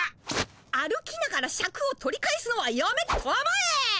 歩きながらシャクを取り返すのはやめたまえ！